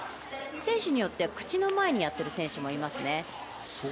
選手によっては口の前にやっている選手もいます。